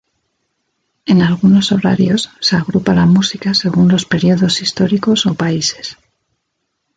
En algunos horarios se agrupa la música según los períodos históricos o países.